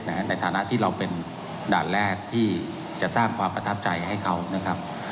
ในฐานะที่เราเป็นด่านแรกที่จะสร้างความประทับใจให้เขานะครับ